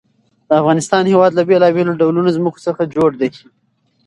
د افغانستان هېواد له بېلابېلو ډولو ځمکه څخه ډک دی.